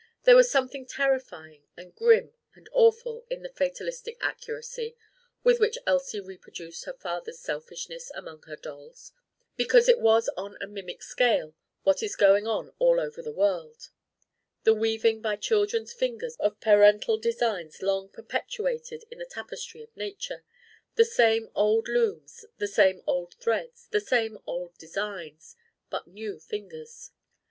There was something terrifying and grim and awful in the fatalistic accuracy with which Elsie reproduced her father's selfishness among her dolls, because it was on a mimic scale what is going on all over the world: the weaving by children's fingers of parental designs long perpetuated in the tapestry of Nature; the same old looms, the same old threads, the same old designs but new fingers.